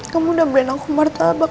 kamu udah beliin aku martabak